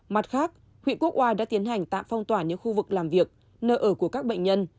mặt khác huyện quốc oai đã tiến hành tạm phong tỏa những khu vực làm việc nơi ở của các bệnh nhân